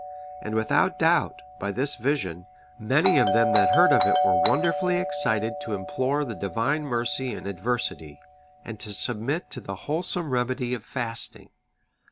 And without doubt, by this vision, many that heard of it were wonderfully excited to implore the Divine mercy in adversity, and to submit to the wholesome remedy of fasting.